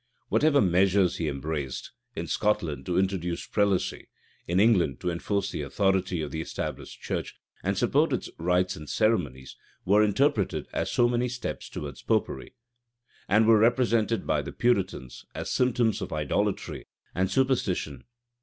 Whatever measures he embraced in Scotland to introduce prelacy, in England to enforce the authority of the established church, and support its rites and ceremonies were interpreted as so many steps towards Popery; and were represented by the Puritans as symptoms of idolatry and superstition.